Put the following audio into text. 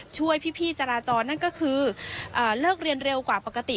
ช่วยพี่จราจรนั่นก็คือเลิกเรียนเร็วกว่าปกติ